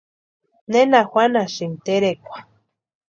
¿Nena juanhasïnki terekwa?